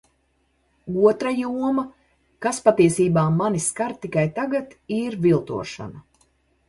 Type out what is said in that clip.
Otra joma, kas patiesībā mani skar tikai tagad, ir viltošana.